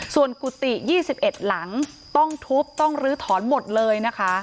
ส่วนกุฏิ๒๑หลังต้องทุบต้องลื้อถอนหมดเลยนะคะ